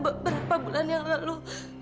sita berapa bulan yang lalu